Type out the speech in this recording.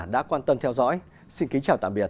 đã quan tâm theo dõi xin kính chào tạm biệt